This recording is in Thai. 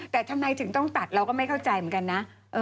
แต่ทำไมถึงต้องตัดเราก็ไม่เข้าใจเหมือนกันนะ